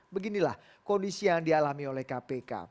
beginilah kondisi yang dialami oleh kpk